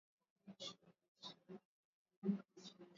Shirika linaendelea kufanya kazi bila kibali halali